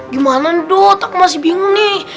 gimana dut aku masih bingung nih